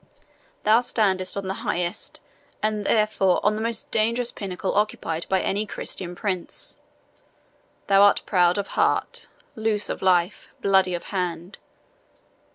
Thou standest on the highest, and, therefore, on the most dangerous pinnacle occupied by any Christian prince. Thou art proud of heart, loose of life, bloody of hand.